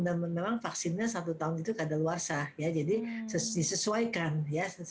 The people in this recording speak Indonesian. dan memang vaksinnya satu tahun itu keadaan luar sah jadi disesuaikan ya